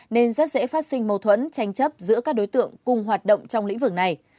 nên rất dễ phát sinh mâu thuẫn tranh chấp giữa các đối tượng cùng hoạt động trong lĩnh vực này